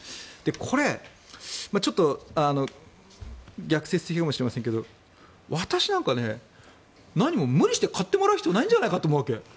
これ、ちょっと逆説的かもしれませんけど私なんかは何も無理して買ってもらう必要ないんじゃないかと思うわけ。